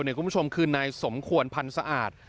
คุณผู้ชมคือนายสมควรพันธ์สะอาด